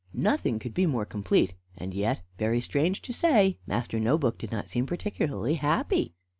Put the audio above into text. Nothing could be more complete, and yet, very strange to say, Master No book did not seem particularly happy.